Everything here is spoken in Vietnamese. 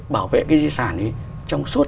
bảo vệ cái di sản ấy trong suốt